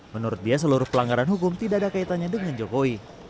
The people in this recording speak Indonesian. menurut dia seluruh pelanggaran hukum tidak ada kaitannya dengan jokowi